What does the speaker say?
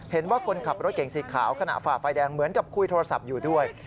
เห็นว่าคนขับรถเก่งสีขาวขณะฝ่าไฟแดงเหมือนกับคุยโทรศัพท์อยู่ด้วย